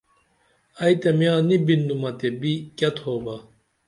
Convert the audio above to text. ائی تہ میا نی بینما تے بی کیہ تھوبہ